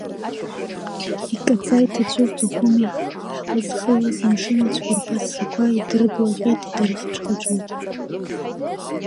Иккаӡа иҭацәу Сухуми ҳлызхылаз амшын ацәқәырԥа ссақәа идырблаҟьеит, идырхыџхыџуеит.